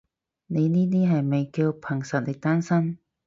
你呢啲係咪叫憑實力單身？